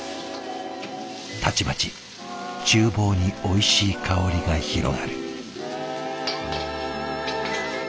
たちまちちゅう房においしい香りが広がる。